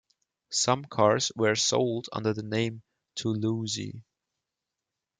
Some cars were sold under the name "Toulouse".